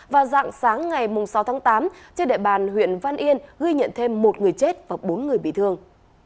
và dạng sáng ngày sáu tháng tám trên địa bàn huyện văn yên ghi nhận thêm một người chết và bốn người bị thương